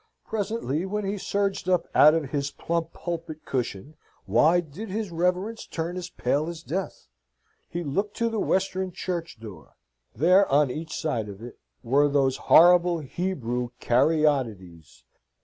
Presently, when he surged up out of his plump pulpit cushion, why did his Reverence turn as pale as death? He looked to the western church door there, on each side of it, were those horrible Hebrew caryatides.